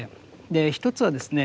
一つはですね